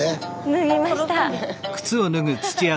脱ぎました。